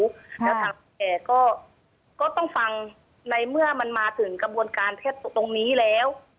แล้วแต่ก็ต้องฟังในเมื่อมันมาถึงกระบวนการแค่ตรงนี้แล้ว